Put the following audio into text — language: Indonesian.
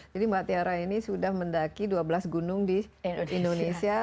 jadi mbak tiara ini sudah mendaki dua belas gunung di indonesia